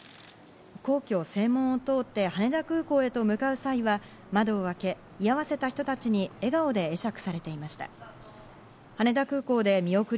皇居・正門を通って羽田空港へと向かう際は窓を開け、居合わせた人たちに笑顔で会釈されていました。